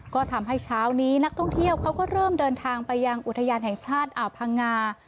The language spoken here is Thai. ก็ทำให้เช้านี้นักท่องเที่ยวเขาก็เริ่มเดินทางไปยังอุทยานแห่งชาติอ่าวพังงา